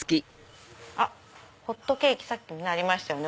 ホットケーキさっきありましたね